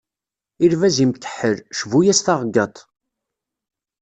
I lbaz imkeḥḥel, cbu-yas taɣeggaṭ.